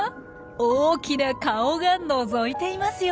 大きな顔がのぞいていますよ。